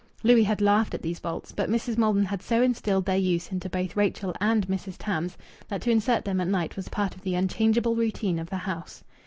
Louis had laughed at these bolts, but Mrs. Maldon had so instilled their use into both Rachel and Mrs. Tams that to insert them at night was part of the unchangeable routine of the house.